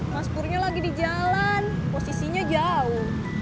mas purnya lagi di jalan posisinya jauh